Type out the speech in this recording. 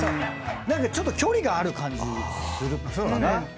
何かちょっと距離がある感じするかな。